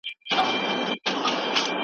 زوی په خوشحالۍ کور ته روان و.